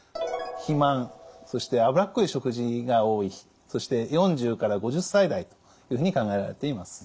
肥満そして脂っこい食事が多いそして４０から５０歳代というふうに考えられています。